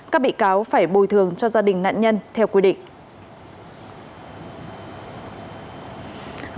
các bị cáo phải bồi thường cho gia đình nạn nhân theo quy định